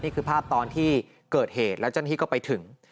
นี่คือภาพตอนที่เกิดเหตุแล้วเจ้าหน้าที่ก็ไปถึง